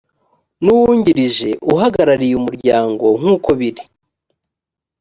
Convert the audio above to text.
n uwungirije uhagarariye umuryango nk uko biri